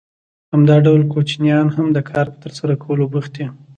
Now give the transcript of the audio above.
همدا ډول کوچنیان هم د کار په ترسره کولو بوخت دي